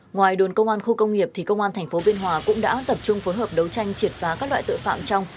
ngoài đồn công an khu công nghiệp thì công an tp biên hòa cũng đã tập trung phối hợp đấu tranh triệt phá các loại tội phạm trong